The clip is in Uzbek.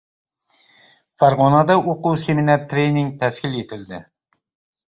Farg‘onada o‘quv seminar-trening tashkil etildi